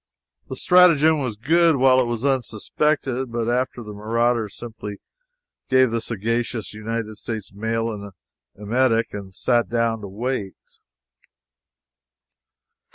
The stratagem was good while it was unsuspected, but after that the marauders simply gave the sagacious United States mail an emetic and sat down to wait.